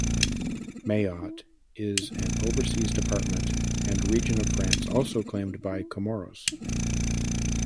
Mayotte is an overseas department and region of France also claimed by Comoros.